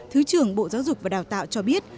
thứ trưởng bộ giáo dục và đào tạo cho biết